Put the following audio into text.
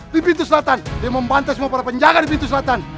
di pintu selatan dia membantah semua para penjaga di pintu selatan